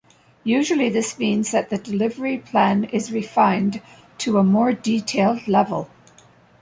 Usually this means that the delivery plan is refined to a more detailed level.